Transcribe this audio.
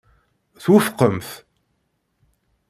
Twufqem-t.